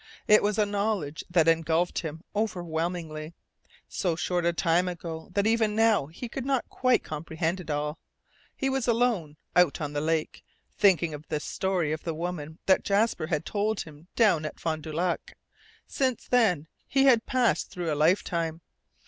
It was a knowledge that engulfed him overwhelmingly. So short a time ago that even now he could not quite comprehend it all, he was alone out on the lake, thinking of the story of the First Woman that Jasper had told him down at Fond du Lac. Since then he had passed through a lifetime.